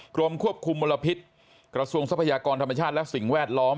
กรมควบคุมมลพิษกระทรวงทรัพยากรธรรมชาติและสิ่งแวดล้อม